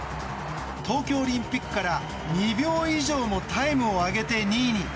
東京オリンピックから２秒以上もタイムを上げて２位に。